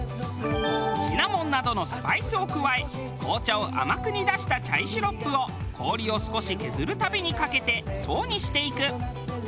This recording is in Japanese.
シナモンなどのスパイスを加え紅茶を甘く煮出したチャイシロップを氷を少し削るたびにかけて層にしていく。